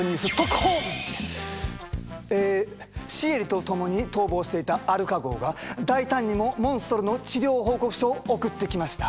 えシエリと共に逃亡していたアルカ号が大胆にもモンストロの治療報告書を送ってきました。